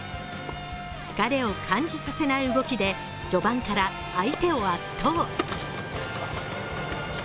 疲れを感じさせない動きで序盤から相手を圧倒。